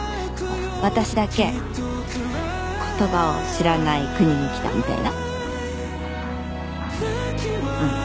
私だけ言葉を知らない国に来たみたいな。